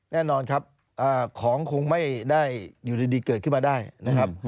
แน่นอนครับของคงไม่ได้อยู่ดีเกิดขึ้นมาได้นะครับ